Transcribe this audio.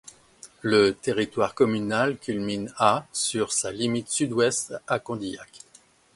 Le territoire communal culmine à sur sa limite sud-ouest, à Condillac.